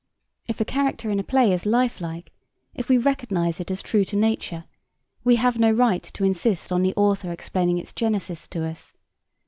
If a character in a play is lifelike, if we recognise it as true to nature, we have no right to insist on the author explaining its genesis to us.